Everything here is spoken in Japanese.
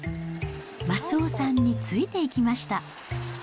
益男さんについていきました。